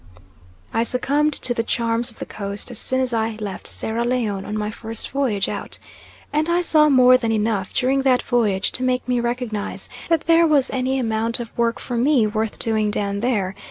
I succumbed to the charm of the Coast as soon as I left Sierra Leone on my first voyage out, and I saw more than enough during that voyage to make me recognise that there was any amount of work for me worth doing down there.